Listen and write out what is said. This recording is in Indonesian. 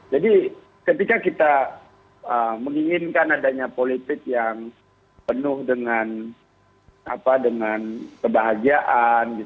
jadi ketika kita menginginkan adanya politik yang penuh dengan kebahagiaan